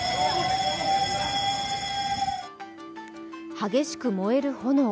激しく燃える炎。